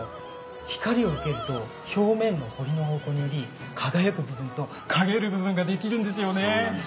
光を受けると表面の彫りの方向により輝く部分と陰る部分ができるんですよね！